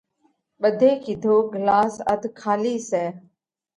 ٻڌي ڪِيڌو: ڳِلاس اڌ کالِي سئہ۔